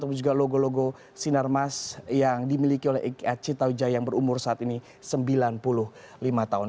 tapi juga logo logo sinarmas yang dimiliki oleh ika cita wijaya yang berumur saat ini sembilan puluh lima tahun